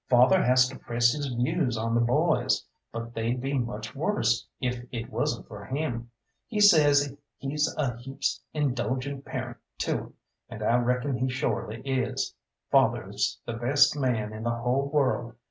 Father has to press his views on the boys, but they'd be much worse if it wasn't for him. He says he's a heaps indulgent parent to 'em, and I reckon he shorely is. Father's the best man in the whole world.